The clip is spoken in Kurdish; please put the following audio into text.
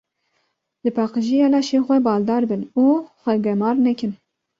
Li Paqijiya laşê xwe baldar bin û xwe gemar nekin.